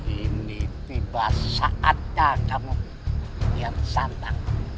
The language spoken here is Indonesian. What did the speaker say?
ini tiba saat ada kamu yang santang